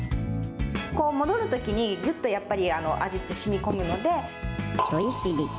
戻るときに、ぎゅっとやっぱり味ってしみこむので。